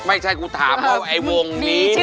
ไม่ใช่กูถามว่าวงนี้เนี่ย